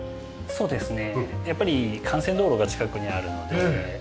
そうですね。